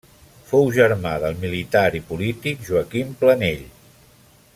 Fou germà del militar i polític Joaquim Planell.